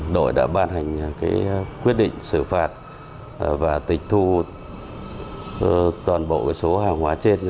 đội đã ban hành quyết định xử phạt và tịch thu toàn bộ số hàng hóa trên